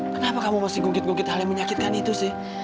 kenapa kamu masih gugit gukit hal yang menyakitkan itu sih